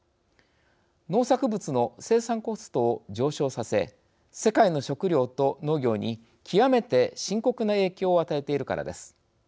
農作物の生産コストを上昇させ世界の食料と農業に、極めて深刻な影響を与えているからです。